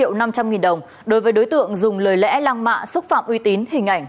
triệu năm trăm linh nghìn đồng đối với đối tượng dùng lời lẽ lang mạ xúc phạm uy tín hình ảnh